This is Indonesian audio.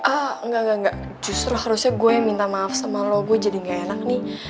ah nggak justru harusnya gue yang minta maaf sama lo gue jadi gak enak nih